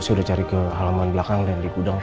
saya udah cari di halaman belakang dan di gudang